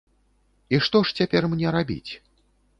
І што ж цяпер мне рабіць?